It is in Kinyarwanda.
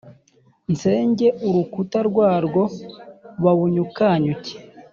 nsenye urukuta rwawo, bawunyukanyuke.